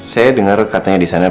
saya dengar katanya disana